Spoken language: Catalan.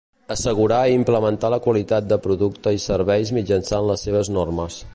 Assegurar i implementar la qualitat de producte i serveis mitjançant les seves normes.